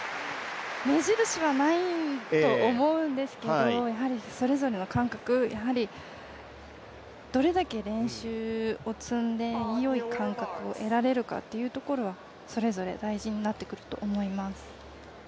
目印はないと思うんですけど、それぞれの感覚どれだけ練習を積んで、よい感覚を得られるかっていうのがそれぞれ大事になってくると思います。